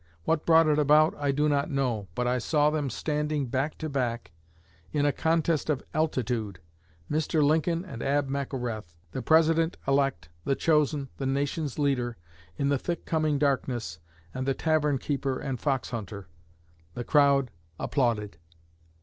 What brought it about, I do not know; but I saw them standing back to back, in a contest of altitude Mr. Lincoln and Ab McElrath the President elect, the chosen, the nation's leader in the thick coming darkness, and the tavern keeper and fox hunter. The crowd applauded.